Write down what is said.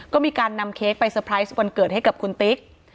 ก็มีการนำเค้กไปเตอร์ไพรส์วันเกิดให้กับคุณติ๊ก